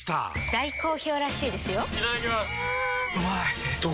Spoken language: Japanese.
大好評らしいですよんうまい！